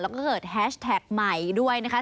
แล้วก็เกิดแฮชแท็กใหม่ด้วยนะคะ